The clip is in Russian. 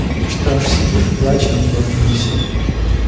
Что ж, сиди и в плаче Нилом нилься.